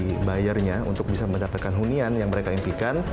dan juga kita menjaga dari sisi bayarnya untuk bisa mendapatkan hunian yang mereka impikan